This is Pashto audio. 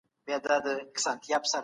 پرون ماشوم تمرین وکړ.